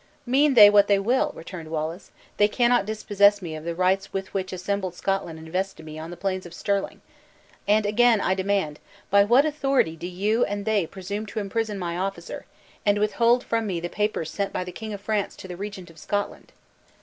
"Mean they what they will," returned Wallace, "they cannot dispossess me of the rights with which assembled Scotland invested me on the plains of Stirling. And again I demand, by what authority do you and they presume to imprison my officer, and withhold from me the papers sent by the King of France to the Regent of Scotland?"